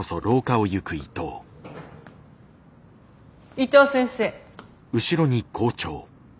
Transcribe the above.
伊藤先生。